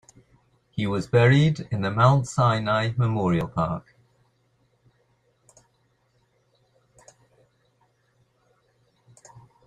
He was buried in the Mount Sinai Memorial Park.